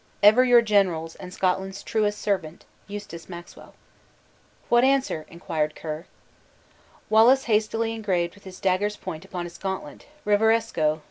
"Ever your general's and Scotland's true servant, "Eustace Maxwell." "What answer?" inquired Ker. Wallace hastily engraved with his dagger's point upon his gauntlet, "Reviresco!